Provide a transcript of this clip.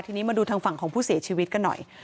ทีนี้มาดูทางฝั่งของผู้เสียชีวิตกันหน่อย